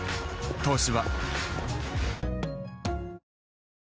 「東芝」